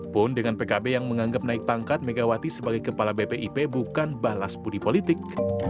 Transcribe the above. pun dengan pkb yang menganggap naik pangkat megawati sebagai kepala bpip bukan balas budi politik